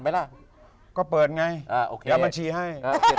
แล้วก็เปิดไงจะบัญชีให้